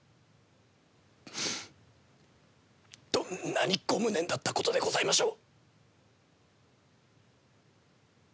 どんなにご無念だったことでございましょう。